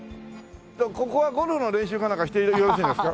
ここはゴルフの練習かなんかしてよろしいんですか？